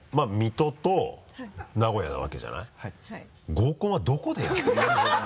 合コンはどこでやったの？